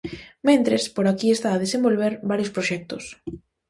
Mentres, por aquí está a desenvolver varios proxectos.